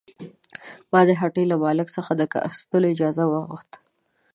ما د هټۍ له مالک څخه د عکس اخیستلو اجازه وغوښته.